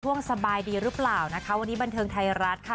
สบายดีหรือเปล่านะคะวันนี้บันเทิงไทยรัฐค่ะ